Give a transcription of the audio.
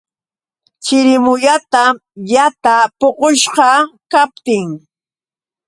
Chirimuyatam yataa puqushqa kaptin.